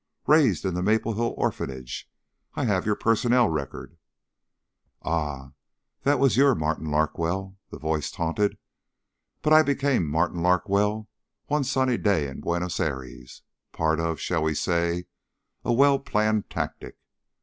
"Raised in the Maple Hill Orphanage. I have your personnel record." "Ah, that was your Martin Larkwell." The voice taunted. "But I became Martin Larkwell one sunny day in Buenos Aires. Part of, shall we say, a well planned tactic?